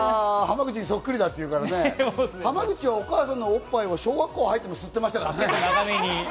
濱口にそっくりだっていうからね、濱口は、お母さんのおっぱいを小学校入っても吸ってましたからね。